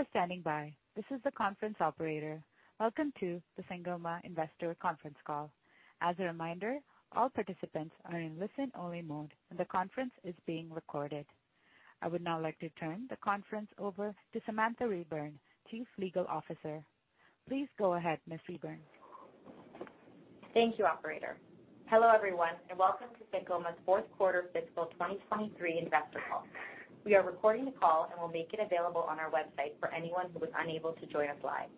Thank you for standing by. This is the conference operator. Welcome to the Sangoma Investor Conference Call. As a reminder, all participants are in listen-only mode, and the conference is being recorded. I would now like to turn the conference over to Samantha Reburn, Chief Legal Officer. Please go ahead, Ms. Reburn. Thank you, operator. Hello, everyone, and welcome to Sangoma's Q4 fiscal 2023 investor call. We are recording the call and will make it available on our website for anyone who was unable to join us live.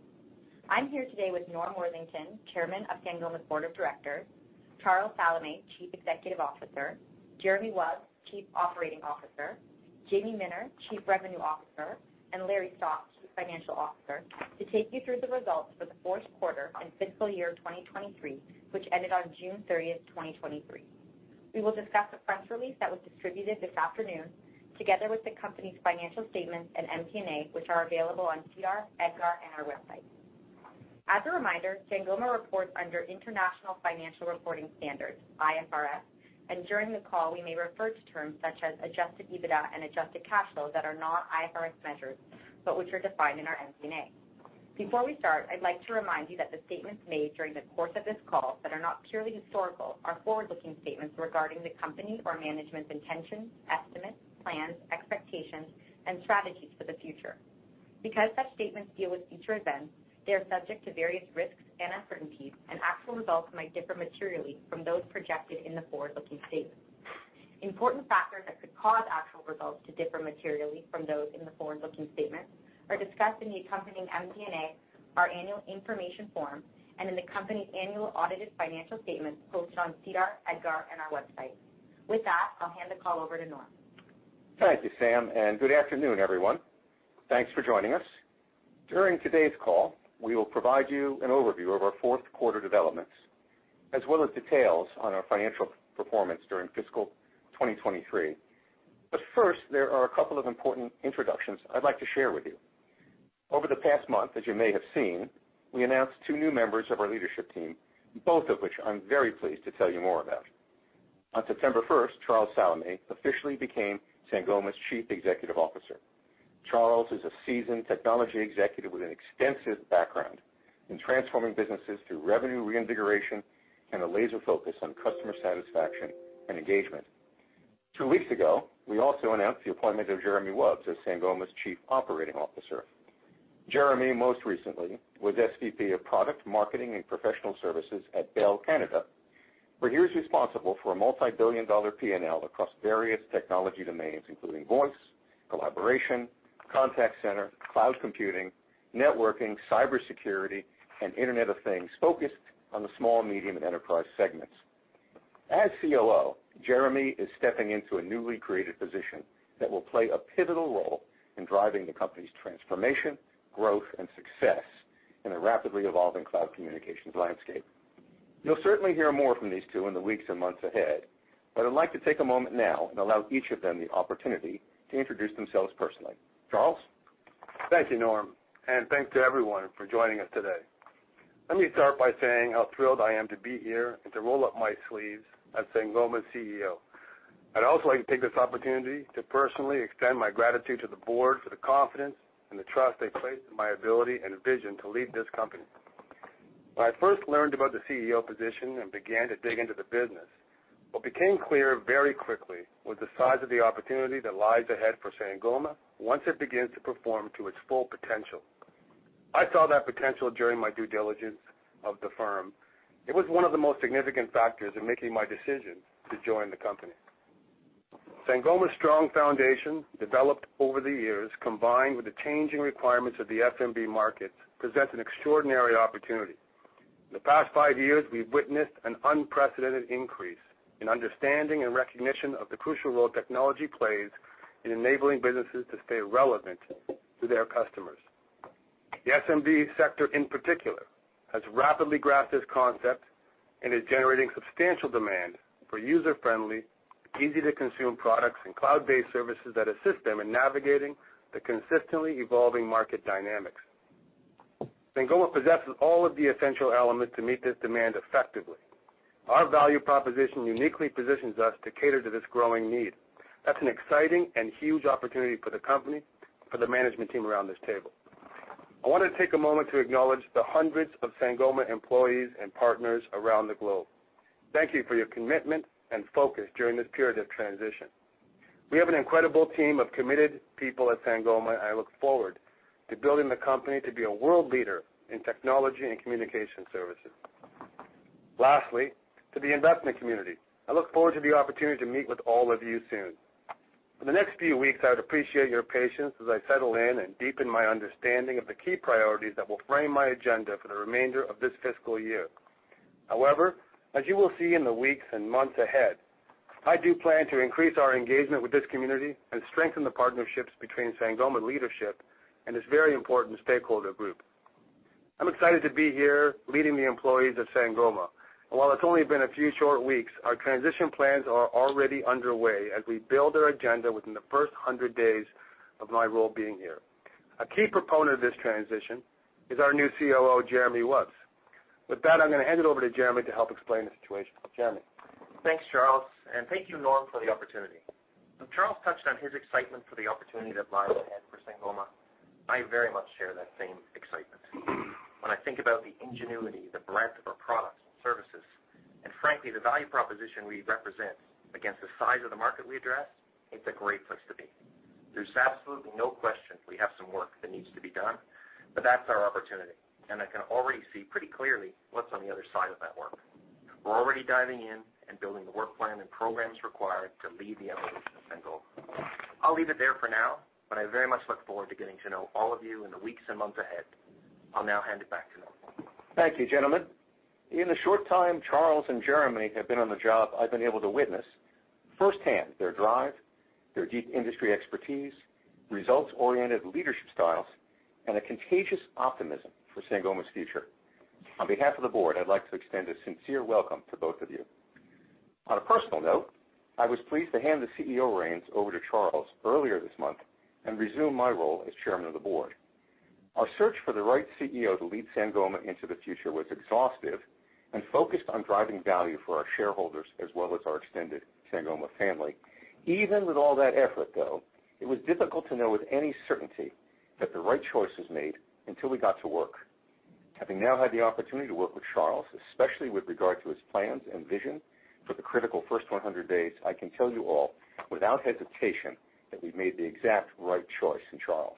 I'm here today with Norman Worthington, Chairman of Sangoma's Board of Directors, Charles Salameh, Chief Executive Officer, Jeremy Wubs, Chief Operating Officer, Jamie Minner, Chief Revenue Officer, and Larry Stock, Chief Financial Officer, to take you through the results for the Q4 and fiscal year 2023, which ended on June 30, 2023. We will discuss the press release that was distributed this afternoon, together with the company's financial statements and MD&A, which are available on SEDAR, EDGAR, and our website. As a reminder, Sangoma reports under International Financial Reporting Standards, IFRS, and during the call, we may refer to terms such as Adjusted EBITDA and adjusted cash flow that are not IFRS measures, but which are defined in our MD&A. Before we start, I'd like to remind you that the statements made during the course of this call that are not purely historical are forward-looking statements regarding the company or management's intentions, estimates, plans, expectations, and strategies for the future. Because such statements deal with future events, they are subject to various risks and uncertainties, and actual results might differ materially from those projected in the forward-looking statements. Important factors that could cause actual results to differ materially from those in the forward-looking statements are discussed in the accompanying MD&A, our annual information form, and in the company's annual audited financial statements posted on SEDAR, EDGAR, and our website. With that, I'll hand the call over to Norm. Thank you, Sam, and good afternoon, everyone. Thanks for joining us. During today's call, we will provide you an overview of our Q4 developments, as well as details on our financial performance during fiscal 2023. But first, there are a couple of important introductions I'd like to share with you. Over the past month, as you may have seen, we announced two new members of our leadership team, both of which I'm very pleased to tell you more about. On September 1, Charles Salameh officially became Sangoma's Chief Executive Officer. Charles is a seasoned technology executive with an extensive background in transforming businesses through revenue reinvigoration and a laser focus on customer satisfaction and engagement. Two weeks ago, we also announced the appointment of Jeremy Wubs as Sangoma's Chief Operating Officer. Jeremy, most recently, was SVP of Product, Marketing, and Professional Services at Bell Canada, where he was responsible for a multi-billion-dollar P&L across various technology domains, including voice, collaboration, contact center, cloud computing, networking, cybersecurity, and Internet of Things, focused on the small, medium, and enterprise segments. As COO, Jeremy is stepping into a newly created position that will play a pivotal role in driving the company's transformation, growth, and success in a rapidly evolving cloud communications landscape. You'll certainly hear more from these two in the weeks and months ahead, but I'd like to take a moment now and allow each of them the opportunity to introduce themselves personally. Charles? Thank you, Norm, and thanks to everyone for joining us today. Let me start by saying how thrilled I am to be here and to roll up my sleeves as Sangoma's CEO. I'd also like to take this opportunity to personally extend my gratitude to the board for the confidence and the trust they placed in my ability and vision to lead this company. When I first learned about the CEO position and began to dig into the business, what became clear very quickly was the size of the opportunity that lies ahead for Sangoma once it begins to perform to its full potential. I saw that potential during my due diligence of the firm. It was one of the most significant factors in making my decision to join the company. Sangoma's strong foundation, developed over the years, combined with the changing requirements of the SMB market, presents an extraordinary opportunity. In the past five years, we've witnessed an unprecedented increase in understanding and recognition of the crucial role technology plays in enabling businesses to stay relevant to their customers. The SMB sector, in particular, has rapidly grasped this concept and is generating substantial demand for user-friendly, easy-to-consume products and cloud-based services that assist them in navigating the consistently evolving market dynamics. Sangoma possesses all of the essential elements to meet this demand effectively. Our value proposition uniquely positions us to cater to this growing need. That's an exciting and huge opportunity for the company, for the management team around this table. I want to take a moment to acknowledge the hundreds of Sangoma employees and partners around the globe. Thank you for your commitment and focus during this period of transition. We have an incredible team of committed people at Sangoma, and I look forward to building the company to be a world leader in technology and communication services. Lastly, to the investment community, I look forward to the opportunity to meet with all of you soon. For the next few weeks, I would appreciate your patience as I settle in and deepen my understanding of the key priorities that will frame my agenda for the remainder of this fiscal year. However, as you will see in the weeks and months ahead, I do plan to increase our engagement with this community and strengthen the partnerships between Sangoma leadership and this very important stakeholder group. I'm excited to be here leading the employees of Sangoma. While it's only been a few short weeks, our transition plans are already underway as we build our agenda within the first 100 days of my role being here. A key proponent of this transition is our new COO, Jeremy Wubs.... With that, I'm gonna hand it over to Jeremy to help explain the situation. Jeremy? Thanks, Charles, and thank you, Norm, for the opportunity. When Charles touched on his excitement for the opportunity that lies ahead for Sangoma, I very much share that same excitement. When I think about the ingenuity, the breadth of our products and services, and frankly, the value proposition we represent against the size of the market we address, it's a great place to be. There's absolutely no question we have some work that needs to be done, but that's our opportunity, and I can already see pretty clearly what's on the other side of that work. We're already diving in and building the work plan and programs required to lead the evolution of Sangoma. I'll leave it there for now, but I very much look forward to getting to know all of you in the weeks and months ahead. I'll now hand it back to Norm. Thank you, gentlemen. In the short time Charles and Jeremy have been on the job, I've been able to witness firsthand their drive, their deep industry expertise, results-oriented leadership styles, and a contagious optimism for Sangoma's future. On behalf of the board, I'd like to extend a sincere welcome to both of you. On a personal note, I was pleased to hand the CEO reins over to Charles earlier this month and resume my role as chairman of the board. Our search for the right CEO to lead Sangoma into the future was exhaustive and focused on driving value for our shareholders as well as our extended Sangoma family. Even with all that effort, though, it was difficult to know with any certainty that the right choice was made until we got to work. Having now had the opportunity to work with Charles, especially with regard to his plans and vision for the critical first 100 days, I can tell you all without hesitation that we've made the exact right choice in Charles.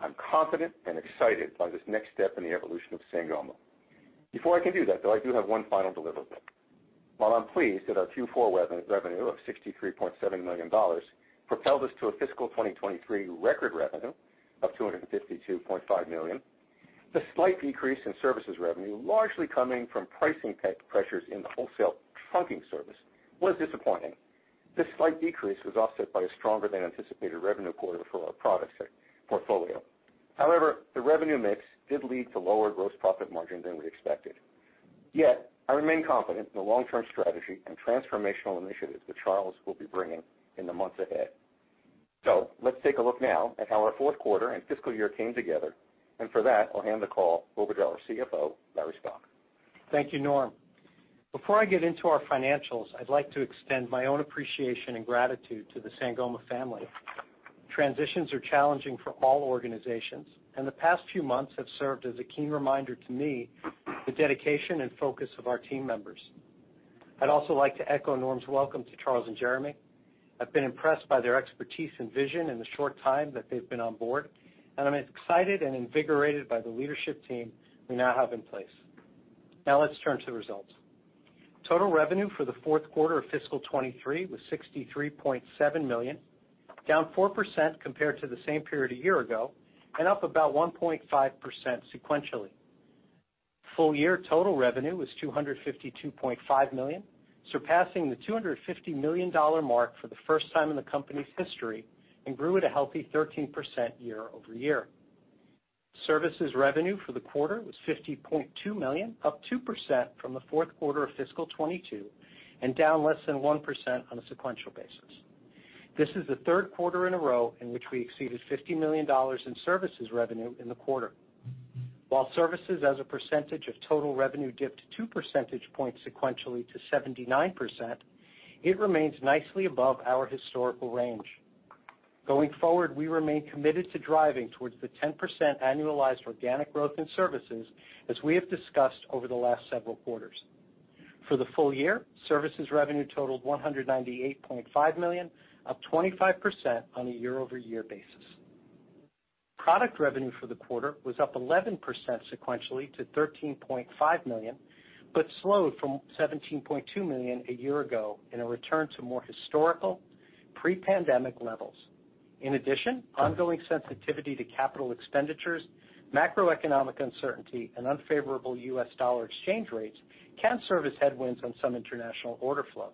I'm confident and excited by this next step in the evolution of Sangoma. Before I can do that, though, I do have one final deliverable. While I'm pleased that our Q4 revenue of $63.7 million propelled us to a fiscal 2023 record revenue of $252.5 million, the slight decrease in services revenue, largely coming from pricing pressures in the wholesale trunking service, was disappointing. This slight decrease was offset by a stronger than anticipated revenue quarter for our product sector portfolio. However, the revenue mix did lead to lower gross profit margin than we expected. Yet, I remain confident in the long-term strategy and transformational initiatives that Charles will be bringing in the months ahead. So let's take a look now at how our Q4 and fiscal year came together, and for that, I'll hand the call over to our CFO, Larry Stock. Thank you, Norm. Before I get into our financials, I'd like to extend my own appreciation and gratitude to the Sangoma family. Transitions are challenging for all organizations, and the past few months have served as a keen reminder to me, the dedication and focus of our team members. I'd also like to echo Norm's welcome to Charles and Jeremy. I've been impressed by their expertise and vision in the short time that they've been on board, and I'm excited and invigorated by the leadership team we now have in place. Now, let's turn to the results. Total revenue for the Q4 of fiscal 2023 was $63.7 million, down 4% compared to the same period a year ago, and up about 1.5% sequentially. Full year total revenue was $252.5 million, surpassing the $250 million mark for the first time in the company's history and grew at a healthy 13% year-over-year. Services revenue for the quarter was $50.2 million, up 2% from the Q4 of fiscal 2022, and down less than 1% on a sequential basis. This is the Q3 in a row in which we exceeded $50 million in services revenue in the quarter. While services as a percentage of total revenue dipped 2 percentage points sequentially to 79%, it remains nicely above our historical range. Going forward, we remain committed to driving towards the 10% annualized organic growth in services, as we have discussed over the last several quarters. For the full year, services revenue totaled 198.5 million, up 25% on a year-over-year basis. Product revenue for the quarter was up 11% sequentially to 13.5 million, but slowed from 17.2 million a year ago in a return to more historical pre-pandemic levels. In addition, ongoing sensitivity to capital expenditures, macroeconomic uncertainty, and unfavorable U.S. dollar exchange rates can serve as headwinds on some international order flow.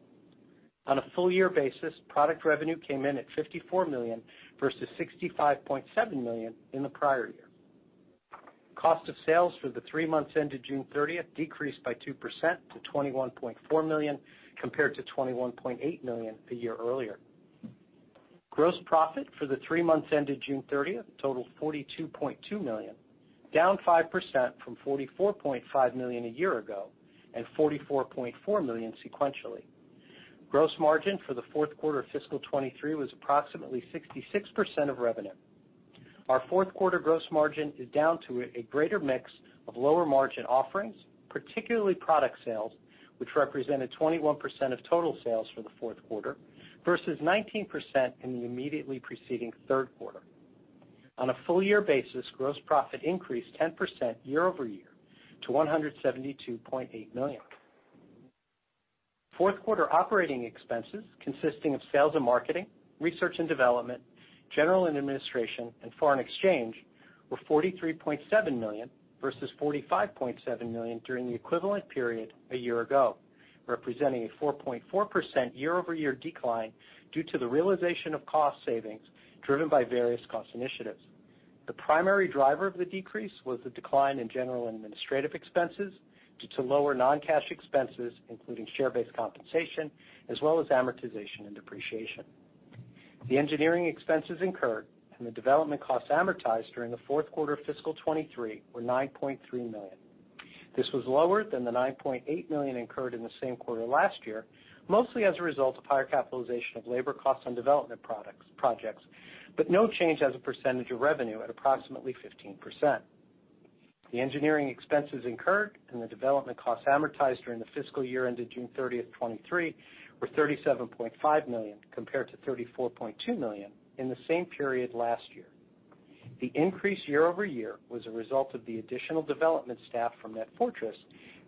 On a full year basis, product revenue came in at 54 million versus 65.7 million in the prior year. Cost of sales for the three months ended June thirtieth decreased by 2% to 21.4 million, compared to 21.8 million a year earlier. Gross profit for the three months ended June 30 totaled 42.2 million, down 5% from 44.5 million a year ago and 44.4 million sequentially. Gross margin for the Q4 of fiscal 2023 was approximately 66% of revenue. Our Q4 gross margin is down to a greater mix of lower-margin offerings, particularly product sales, which represented 21% of total sales for the Q4, versus 19% in the immediately preceding Q3. On a full year basis, gross profit increased 10% year-over-year to CAD 172.8 million. Q4 operating expenses, consisting of sales and marketing, research and development, general and administrative, and foreign exchange, were 43.7 million versus 45.7 million during the equivalent period a year ago, representing a 4.4% year-over-year decline due to the realization of cost savings driven by various cost initiatives. The primary driver of the decrease was the decline in general and administrative expenses due to lower non-cash expenses, including share-based compensation, as well as amortization and depreciation.... The engineering expenses incurred and the development costs amortized during the Q4 of fiscal 2023 were 9.3 million. This was lower than the 9.8 million incurred in the same quarter last year, mostly as a result of higher capitalization of labor costs on development projects, but no change as a percentage of revenue at approximately 15%. The engineering expenses incurred and the development costs amortized during the fiscal year ended June 30, 2023, were 37.5 million, compared to 34.2 million in the same period last year. The increase year-over-year was a result of the additional development staff from NetFortris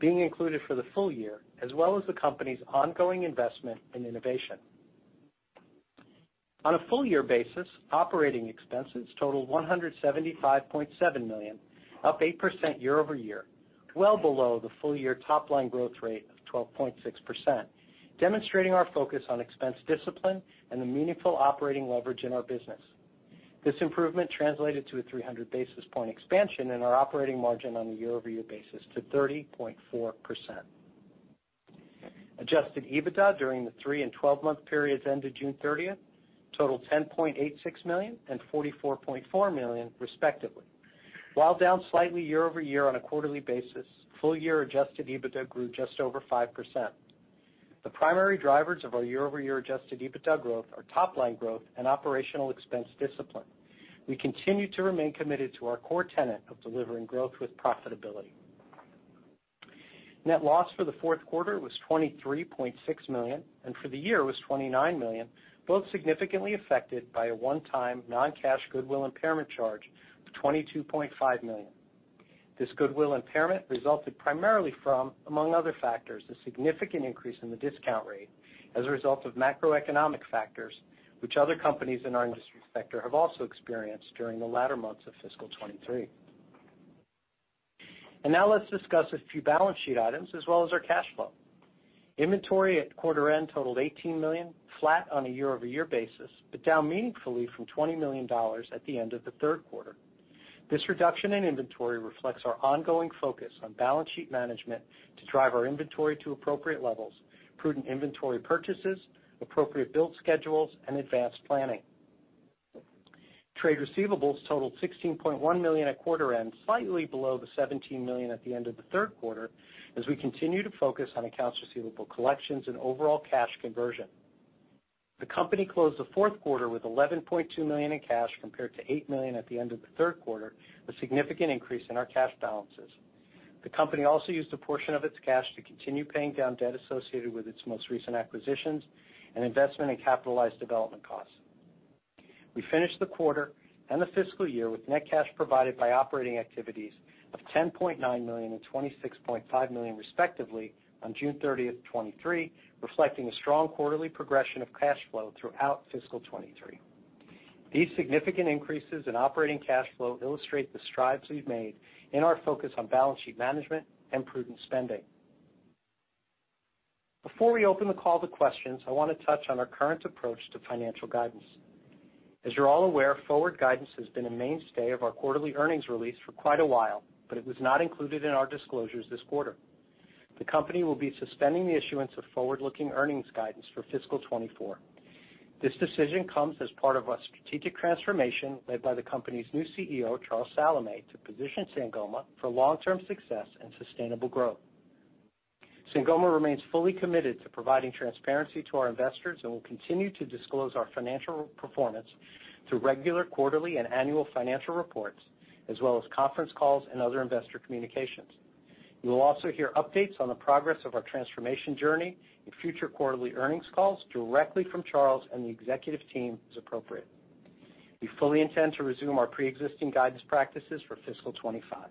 being included for the full year, as well as the company's ongoing investment in innovation. On a full year basis, operating expenses totaled 175.7 million, up 8% year-over-year, well below the full year top line growth rate of 12.6%, demonstrating our focus on expense discipline and the meaningful operating leverage in our business. This improvement translated to a 300 basis point expansion in our operating margin on a year-over-year basis to 30.4%. Adjusted EBITDA during the three and 12-month periods ended June thirtieth, totaled $10.86 million and $44.4 million, respectively. While down slightly year-over-year on a quarterly basis, full year adjusted EBITDA grew just over 5%. The primary drivers of our year-over-year adjusted EBITDA growth are top line growth and operational expense discipline. We continue to remain committed to our core tenet of delivering growth with profitability. Net loss for the Q4 was $23.6 million, and for the year was $29 million, both significantly affected by a one-time non-cash goodwill impairment charge of $22.5 million. This goodwill impairment resulted primarily from, among other factors, a significant increase in the discount rate as a result of macroeconomic factors, which other companies in our industry sector have also experienced during the latter months of fiscal 2023. Now let's discuss a few balance sheet items as well as our cash flow. Inventory at quarter end totaled $18 million, flat on a year-over-year basis, but down meaningfully from $20 million at the end of the Q3. This reduction in inventory reflects our ongoing focus on balance sheet management to drive our inventory to appropriate levels, prudent inventory purchases, appropriate build schedules, and advanced planning. Trade receivables totaled $16.1 million at quarter end, slightly below the $17 million at the end of the Q3, as we continue to focus on accounts receivable collections and overall cash conversion. The company closed the Q4 with $11.2 million in cash, compared to $8 million at the end of the Q3, a significant increase in our cash balances. The company also used a portion of its cash to continue paying down debt associated with its most recent acquisitions and investment in capitalized development costs. We finished the quarter and the fiscal year with net cash provided by operating activities of $10.9 million and $26.5 million, respectively, on June 30, 2023, reflecting a strong quarterly progression of cash flow throughout fiscal 2023. These significant increases in operating cash flow illustrate the strides we've made in our focus on balance sheet management and prudent spending. Before we open the call to questions, I want to touch on our current approach to financial guidance. As you're all aware, forward guidance has been a mainstay of our quarterly earnings release for quite a while, but it was not included in our disclosures this quarter. The company will be suspending the issuance of forward-looking earnings guidance for fiscal 2024. This decision comes as part of a strategic transformation led by the company's new CEO, Charles Salameh, to position Sangoma for long-term success and sustainable growth. Sangoma remains fully committed to providing transparency to our investors and will continue to disclose our financial performance through regular quarterly and annual financial reports, as well as conference calls and other investor communications. You will also hear updates on the progress of our transformation journey in future quarterly earnings calls directly from Charles and the executive team, as appropriate. We fully intend to resume our pre-existing guidance practices for fiscal 2025.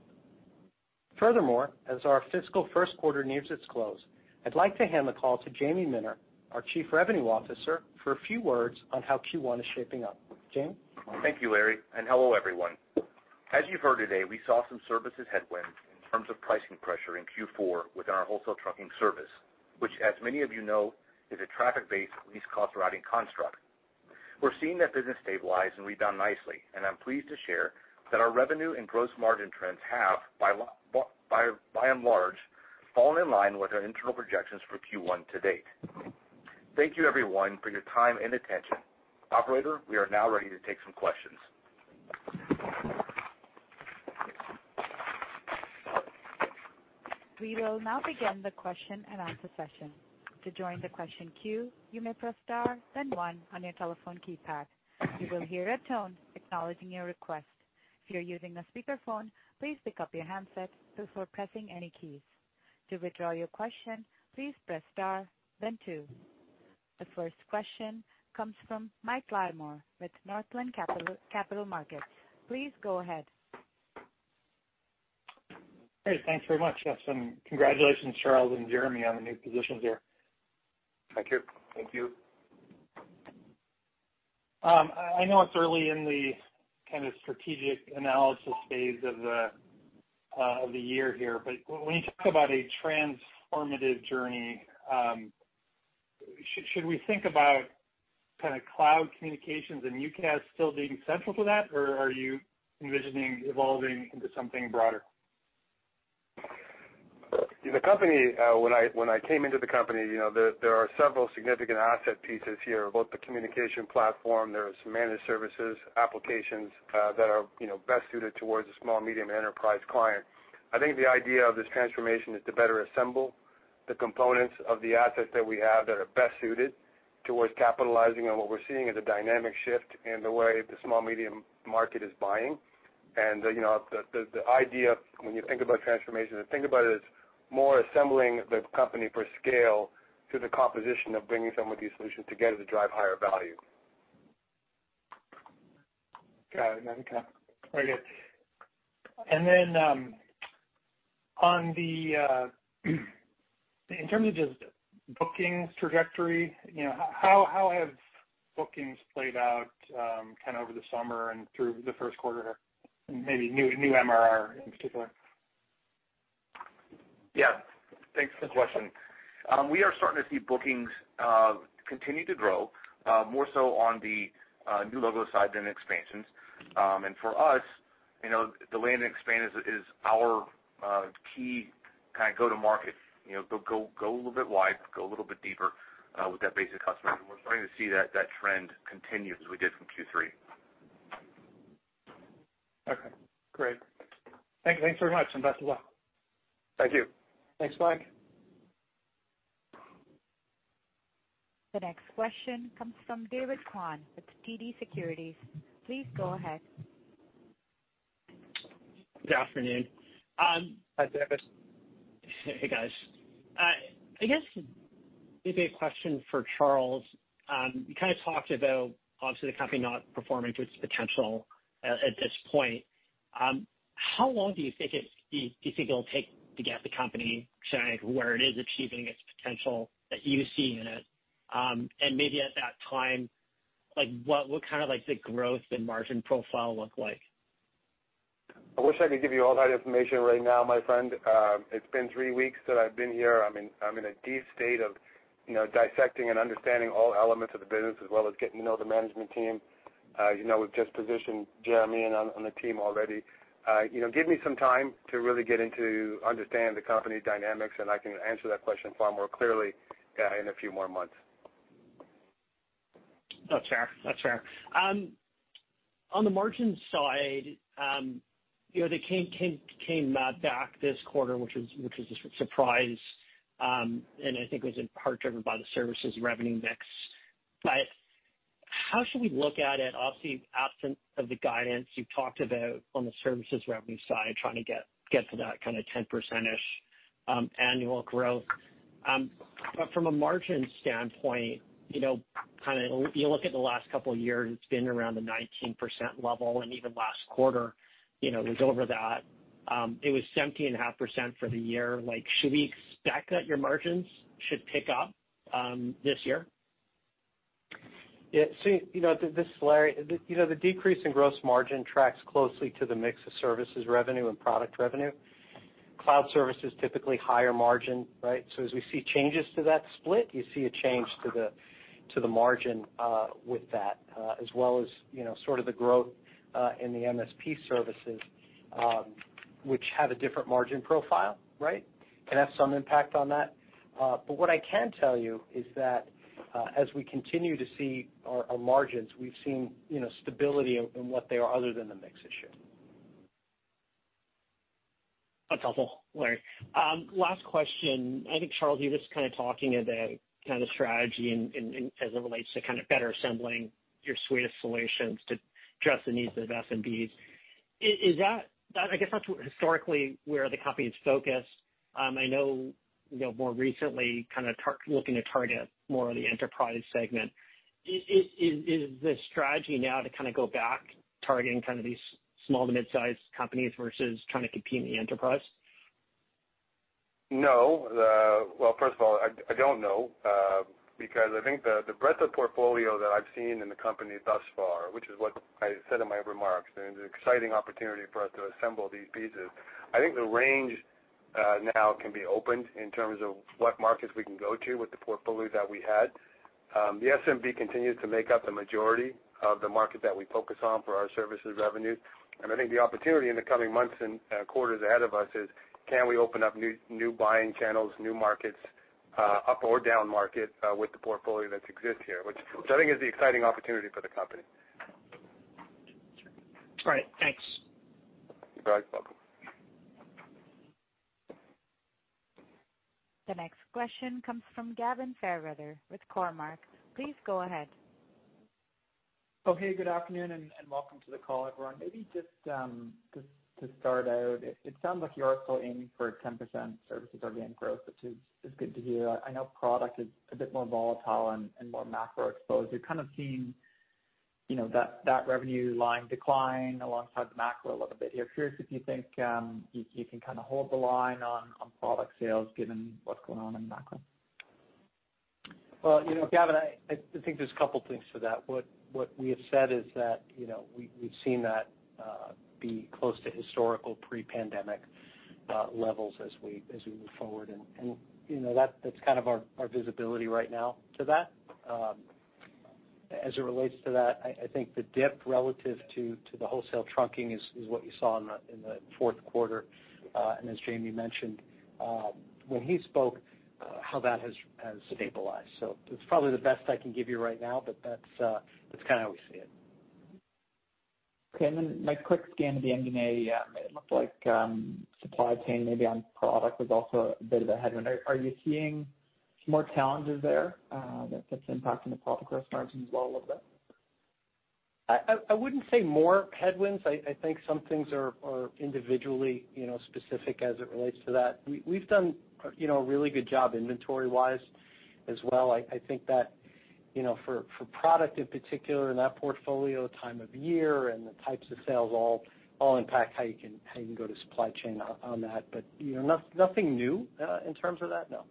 Furthermore, as our fiscal Q1 nears its close, I'd like to hand the call to Jamie Minner, our Chief Revenue Officer, for a few words on how Q1 is shaping up. Jamie? Thank you, Larry, and hello, everyone. As you've heard today, we saw some services headwinds in terms of pricing pressure in Q4 with our wholesale trunking service, which, as many of you know, is a traffic-based, least cost routing construct. We're seeing that business stabilize and rebound nicely, and I'm pleased to share that our revenue and gross margin trends have, by and large, fallen in line with our internal projections for Q1 to date. Thank you, everyone, for your time and attention. Operator, we are now ready to take some questions. We will now begin the question and answer session. To join the question queue, you may press star, then one on your telephone keypad. You will hear a tone acknowledging your request. If you're using a speakerphone, please pick up your handset before pressing any keys. To withdraw your question, please press star then two. The first question comes from Mike Latimore with Northland Capital Markets. Please go ahead. Hey, thanks very much, yes, and congratulations, Charles and Jeremy, on the new positions here. Thank you. Thank you. I know it's early in the kind of strategic analysis phase of the year here, but when you talk about a transformative journey, should we think about kind of cloud communications and UCaaS still being central to that, or are you envisioning evolving into something broader? ... The company, when I came into the company, you know, there are several significant asset pieces here, both the communication platform, there are some managed services, applications, that are, you know, best suited towards a small, medium enterprise client. I think the idea of this transformation is to better assemble the components of the assets that we have that are best suited towards capitalizing on what we're seeing as a dynamic shift in the way the small, medium market is buying. And, you know, the idea when you think about transformation, think about it as more assembling the company for scale to the composition of bringing some of these solutions together to drive higher value. Got it. Okay, very good. And then, on the, in terms of just bookings trajectory, you know, how have bookings played out, kind of over the summer and through the Q1? Maybe new MRR in particular. Yeah. Thanks for the question. We are starting to see bookings continue to grow, more so on the new logo side than expansions. And for us, you know, the land and expand is our key kind of go-to-market. You know, go a little bit wide, go a little bit deeper with that base of customer. We're starting to see that trend continue as we did from Q3. Okay, great. Thank you. Thanks very much, and best of luck. Thank you. Thanks, Mike. The next question comes from David Kwan with TD Securities. Please go ahead. Good afternoon, Hi, David. Hey, guys. I guess maybe a question for Charles. You kind of talked about, obviously, the company not performing to its potential at this point. How long do you think it's, do you think it'll take to get the company to where it is achieving its potential that you see in it? And maybe at that time, like what kind of like the growth and margin profile look like? I wish I could give you all that information right now, my friend. It's been three weeks that I've been here. I'm in, I'm in a deep state of, you know, dissecting and understanding all elements of the business, as well as getting to know the management team. You know, we've just positioned Jeremy and on, on the team already. You know, give me some time to really get into understand the company dynamics, and I can answer that question far more clearly in a few more months. That's fair. That's fair. On the margin side, you know, they came back this quarter, which was a surprise, and I think it was in part driven by the services revenue mix. But how should we look at it, obviously, absent of the guidance you've talked about on the services revenue side, trying to get to that kind of 10% annual growth. But from a margin standpoint, you know, kind of, you look at the last couple of years, it's been around the 19% level, and even last quarter, you know, it was over that. It was 17.5% for the year. Like, should we expect that your margins should pick up this year? Yeah, so, you know, this is Larry. You know, the decrease in gross margin tracks closely to the mix of services revenue and product revenue. Cloud service is typically higher margin, right? So as we see changes to that split, you see a change to the margin, with that, as well as, you know, sort of the growth in the MSP services, which have a different margin profile, right? Can have some impact on that. But what I can tell you is that, as we continue to see our margins, we've seen, you know, stability in what they are other than the mix issue. That's helpful, Larry. Last question. I think, Charles, you were just kind of talking about kind of strategy and as it relates to kind of better assembling your suite of solutions to address the needs of SMBs. Is that—I guess that's historically where the company is focused. I know, you know, more recently, kind of looking to target more of the enterprise segment. Is the strategy now to kind of go back, targeting kind of these small to mid-sized companies versus trying to compete in the enterprise? No. Well, first of all, I don't know, because I think the breadth of portfolio that I've seen in the company thus far, which is what I said in my remarks, and it's an exciting opportunity for us to assemble these pieces. I think the range now can be opened in terms of what markets we can go to with the portfolio that we had. The SMB continues to make up the majority of the market that we focus on for our services revenue. And I think the opportunity in the coming months and quarters ahead of us is, can we open up new buying channels, new markets, up or down market, with the portfolio that exists here? Which I think is the exciting opportunity for the company. All right, thanks. You're very welcome. The next question comes from Gavin Fairweather with Cormark. Please go ahead. Oh, hey, good afternoon, and welcome to the call, everyone. Maybe just to start out, it sounds like you're still aiming for a 10% services organic growth, which is good to hear. I know product is a bit more volatile and more macro exposed. You're kind of seeing, you know, that revenue line decline alongside the macro a little bit here. Curious if you think you can kind of hold the line on product sales given what's going on in the macro? Well, you know, Gavin, I think there's a couple things to that. What we have said is that, you know, we've seen that be close to historical pre-pandemic levels as we move forward. And you know, that's kind of our visibility right now to that. As it relates to that, I think the dip relative to the wholesale trunking is what you saw in the Q4, and as Jamie mentioned, when he spoke, how that has stabilized. So it's probably the best I can give you right now, but that's kind of how we see it. Okay, and then my quick scan of the NDA, it looked like, supply chain, maybe on product, was also a bit of a headwind. Are you seeing some more challenges there, that's impacting the product gross margin as well a little bit? I wouldn't say more headwinds. I think some things are individually, you know, specific as it relates to that. We've done, you know, a really good job inventory-wise as well. I think that, you know, for product in particular, in that portfolio, time of year and the types of sales all impact how you can go to supply chain on that. But, you know, nothing new in terms of that, no.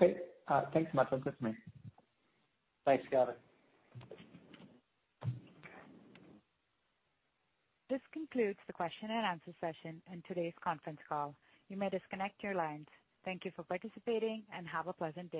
Okay. Thanks so much. That's me. Thanks, Gavin. This concludes the question and answer session and today's conference call. You may disconnect your lines. Thank you for participating, and have a pleasant day.